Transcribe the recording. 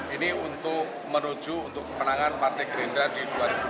ini untuk menuju untuk kemenangan partai gerindra di dua ribu dua puluh